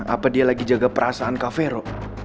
apa dia lagi jaga perasaan kak fero